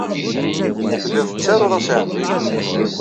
Tellid tettarud-as i ɛemmi-k.